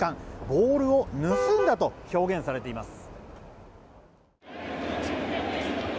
ボールを盗んだと表現されています。